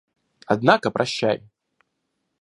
Однако прощай!